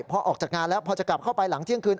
พอออกจากงานแล้วพอจะกลับเข้าไปหลังเที่ยงคืน